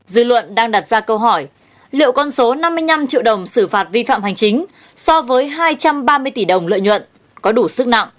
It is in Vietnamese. dư luận đang đặt ra câu hỏi liệu con số năm mươi năm triệu đồng xử phạt vi phạm hành chính so với hai trăm ba mươi tỷ đồng lợi nhuận có đủ sức nặng